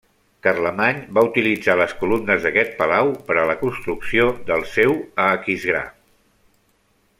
Carlemany va utilitzar les columnes d'aquest palau per a la construcció del seu a Aquisgrà.